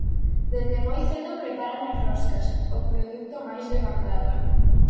Dende moi cedo preparan as roscas, o produto máis demandado.